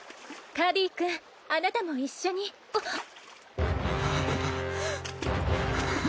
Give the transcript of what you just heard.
カディ君あなたも一緒にはあはあ